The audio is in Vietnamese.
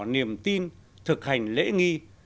niềm tin thực hành lễ nghi